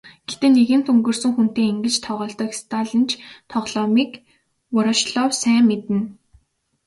Гэхдээ нэгэнт өнгөрсөн хүнтэй ингэж тоглодог сталинч тоглоомыг Ворошилов сайн мэднэ.